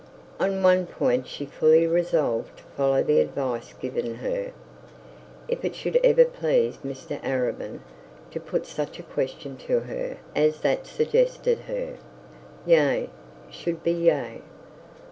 On one point she fully resolved to follow the advice given her. If it should ever please Mr Arabin to put such a question to her as suggested, her 'yea' should be 'yea'.